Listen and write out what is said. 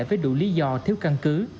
với đủ lý do thiếu căn cứ